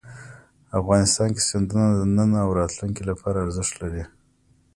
افغانستان کې سیندونه د نن او راتلونکي لپاره ارزښت لري.